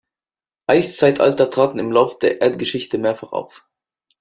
Eiszeitalter traten im Lauf der Erdgeschichte mehrfach auf.